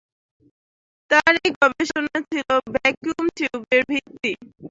তার এই গবেষণা ছিল ভ্যাকুয়াম টিউবের ভিত্তি।